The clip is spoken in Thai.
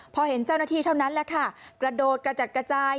พอเห็นเจ้าหน้าที่เท่านั้นแหละค่ะกระโดดกระจัดกระจาย